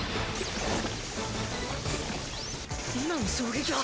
今の衝撃は！？